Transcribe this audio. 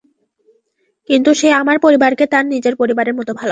কিন্তু সে আমার পরিবারকে তার নিজের পরিবারের মতো ভালোবাসে।